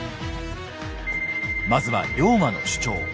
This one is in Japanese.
まずは龍馬の主張。